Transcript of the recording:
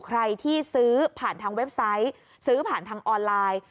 ใครที่ซื้อผ่านทางเว็บไซต์ซื้อผ่านทางออนไลน์